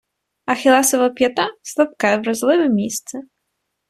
Ахіллесова п'ята — слабке, вразливе місце